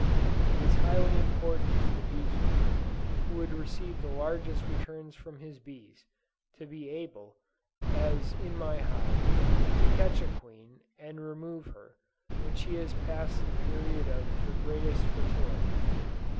It is highly important to the bee keeper who would receive the largest returns from his bees, to be able, as in my hives, to catch the queen and remove her, when she has passed the period of her greatest fertility.